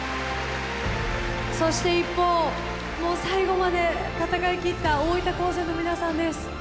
そして一方最後まで戦いきった大分高専の皆さんです。